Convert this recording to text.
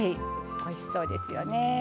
おいしそうですよね。